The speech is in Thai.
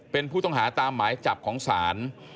เป็นผู้ต้องหาตามหมายจับของศาล